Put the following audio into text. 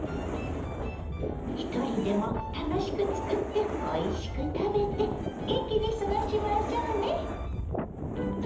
ひとりでも楽しく作っておいしく食べて元気に過ごしましょうね。